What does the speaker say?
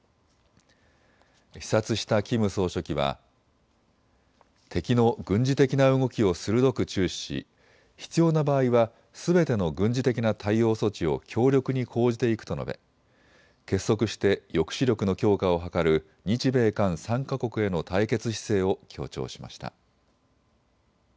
視察したキム総書記は敵の軍事的な動きを鋭く注視し必要な場合はすべての軍事的な対応措置を強力に講じていくと述べ結束して抑止力の強化を図る日米韓３か国への対決姿勢を強調しました。